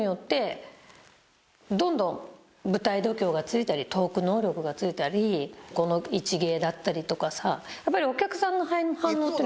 どんどん舞台度胸が付いたりトーク能力が付いたりこの一芸だったりとかさやっぱり。